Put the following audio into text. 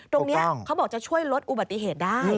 เขาบอกจะช่วยลดอุบัติเหตุได้